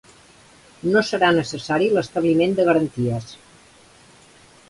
No serà necessari l'establiment de garanties.